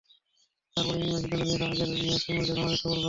তার পরই ইংল্যান্ড সিদ্ধান্ত নিয়েছে আগের সূচি অনুযায়ী বাংলাদেশ সফর করার।